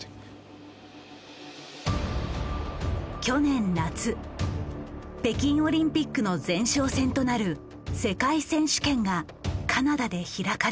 去年夏北京オリンピックの前哨戦となる世界選手権がカナダで開かれた。